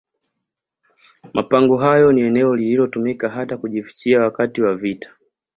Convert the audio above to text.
Mapango haya ni eneo lililotumika hata kujifichia wakati wa vita